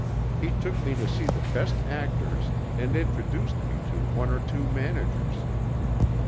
He took me to see the best actors and introduced me to one or two managers.